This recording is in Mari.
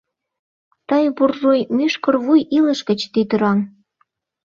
Тый, буржуй, Мӱшкыр-вуй Илыш гыч тӱтыраҥ!